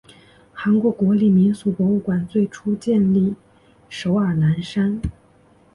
韩国国立民俗博物馆最初建于首尔南山。